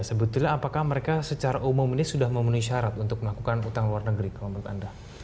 sebetulnya apakah mereka secara umum ini sudah memenuhi syarat untuk melakukan utang luar negeri kalau menurut anda